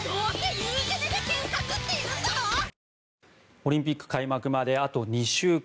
オリンピック開幕まであと２週間。